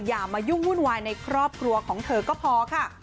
อย่ามายุ่งวุ่นวายในครอบครัวของเธอก็พอค่ะ